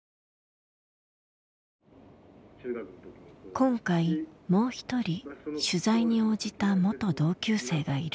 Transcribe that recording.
今回もう一人取材に応じた元同級生がいる。